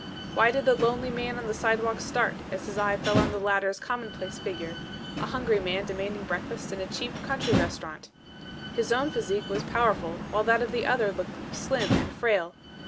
Why did the lonely man on the sidewalk start as his eye fell on the latter's commonplace figure, a hungry man demanding breakfast in a cheap, country restaurant? His own physique was powerful while that of the other looked slim and frail.